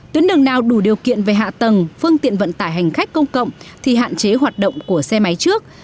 tuyến đường nào đủ điều kiện về hạ tầng phương tiện vận tải hành khách công cộng thì hạn chế hoạt động của xe máy trước